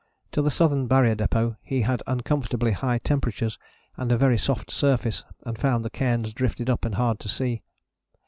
To the Southern Barrier Depôt he had uncomfortably high temperatures and a very soft surface, and found the cairns drifted up and hard to see.